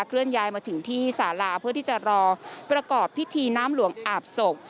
เลื่อนย้ายมาถึงที่สาราเพื่อที่จะรอประกอบพิธีน้ำหลวงอาบศพ